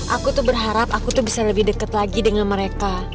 aku tuh berharap aku tuh bisa lebih dekat lagi dengan mereka